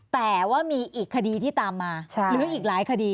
แต่ว่ามีอีกคดีที่ตามมาหรืออีกหลายคดี